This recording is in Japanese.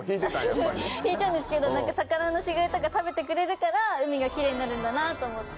引いちゃうんですけど魚の死骸とか食べてくれるから海がキレイになるんだなと思って。